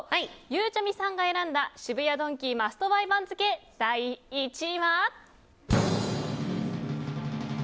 ゆうちゃみさんが選んだ渋谷ドンキマストバイ番付第１位は。